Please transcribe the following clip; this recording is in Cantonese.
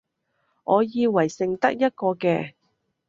我以為剩得一個嘅